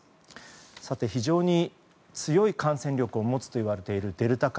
さて、非常に強い感染力を持つといわれているデルタ株。